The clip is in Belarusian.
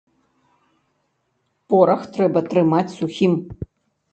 Порах трэба трымаць сухім.